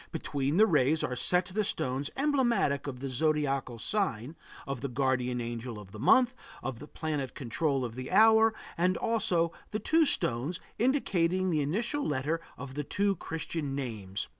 Between the rays are set the stones emblematic of the zodiacal sign, of the guardian angel of the month, of the planet control of the hour and also the two stones indicating the initial letter of the two Christian names.